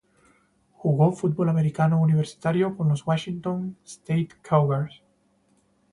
Jugó fútbol americano universitario con los Washington State Cougars.